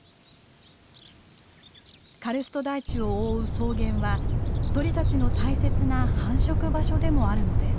カルスト台地を覆う草原は鳥たちの大切な繁殖場所でもあるのです。